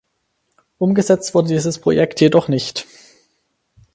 Umgesetzt wurde dieses Projekt jedoch nicht.